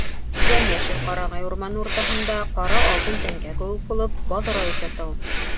Йәм-йәшел ҡарағай урманы уртаһында, ҡара алтын тәңкә кеүек булып, баҙрайып ята ул...